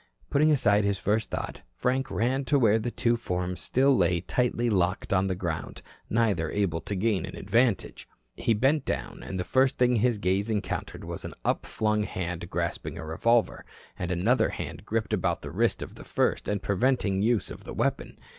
Putting aside his first thought, Frank ran to where the two forms still lay tightly locked on the ground, neither able to gain an advantage. He bent down, and the first thing his gaze encountered was an upflung hand grasping a revolver, and another hand gripped about the wrist of the first and preventing use of the weapon.